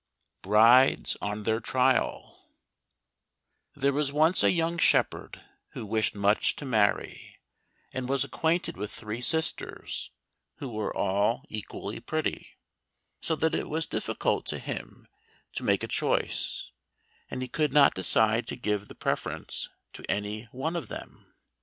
155 Brides On Their Trial There was once a young shepherd who wished much to marry, and was acquainted with three sisters who were all equally pretty, so that it was difficult to him to make a choice, and he could not decide to give the preference to any one of them.